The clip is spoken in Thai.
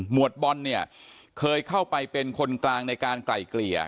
วดบอลเนี่ยเคยเข้าไปเป็นคนกลางในการไกล่เกลี่ย